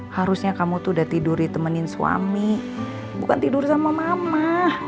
harusnya kamu tuh udah tidur ditemenin suami bukan tidur sama mama